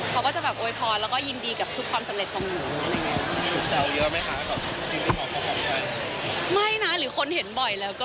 เขาก็จะแบบโอ้ยพองแล้วก็ยินดีกับทุกความสำเร็จของหนู